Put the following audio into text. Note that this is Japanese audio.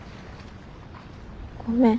ごめん。